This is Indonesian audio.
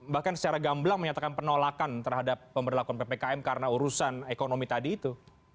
bahkan secara gamblang menyatakan penolakan terhadap pemberlakuan ppkm karena urusan ekonomi tadi itu